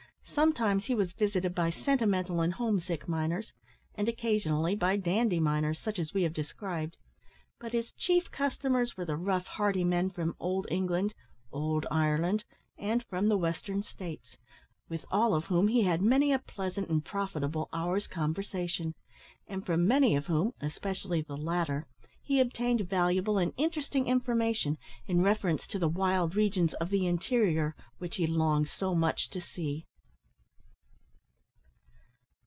Sometimes he was visited by sentimental and home sick miners, and occasionally by dandy miners, such as we have described, but his chief customers were the rough, hearty men from "old England," "owld Ireland," and from the Western States; with all of whom he had many a pleasant and profitable hour's conversation, and from many of whom, especially the latter, he obtained valuable and interesting information in reference to the wild regions of the interior which he longed so much to see.